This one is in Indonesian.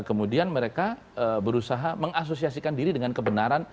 dan kemudian mereka berusaha mengasosiasikan diri dengan kebenaran